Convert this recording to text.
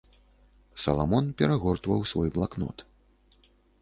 Саламон перагортваў свой блакнот.